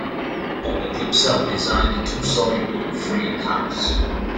Baldwin himself designed the two storey wood frame house.